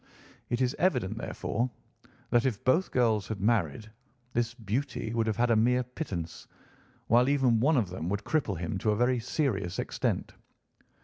It is evident, therefore, that if both girls had married, this beauty would have had a mere pittance, while even one of them would cripple him to a very serious extent.